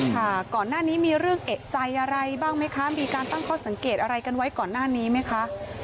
ค่ะก่อนหน้านี้มีเรื่องเอกใจอะไรบ้างไหมคะมีการตั้งข้อสังเกตอะไรกันไว้ก่อนหน้านี้ไหมคะ